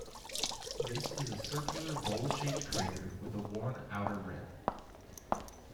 This is a circular, bowl-shaped crater with a worn outer rim.